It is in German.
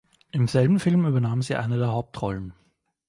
Im selben Film übernahm sie eine der Hauptrollen.